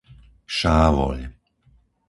Šávoľ